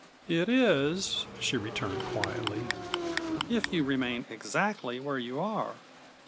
"It is," she returned quietly, "if you remain exactly where you are."